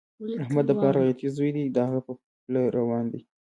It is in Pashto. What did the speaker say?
احمد د پلار غیرتي زوی دی، د هغه په پله روان دی.